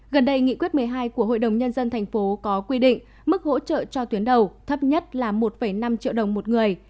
gần đây nghị quyết một mươi hai của hội đồng nhân dân thành phố có quy định mức hỗ trợ cho tuyến đầu thấp nhất là một năm triệu đồng một người